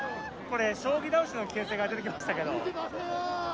これ、将棋倒しの危険性が出てきましたけど。